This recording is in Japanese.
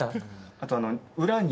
あと裏に。